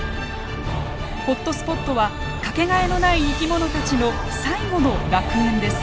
ホットスポットは掛けがえのない生き物たちの最後の楽園です。